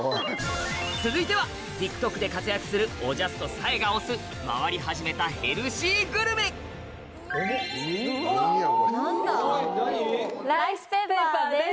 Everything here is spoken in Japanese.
続いてはＴｉｋＴｏｋで活躍するおじゃすとさえが推す回り始めたヘルシーグルメライスペーパーです！